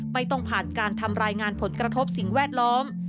ไม่ต้องผ่านการทำรายงานผลกระทบสิ่งแวดล้อม